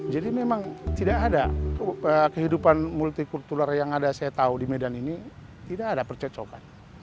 jadi memang tidak ada kehidupan multikultural yang ada saya tahu di medan ini tidak ada percecokan